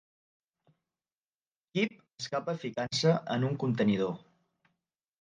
Kyp escapa ficant-se en un contenidor.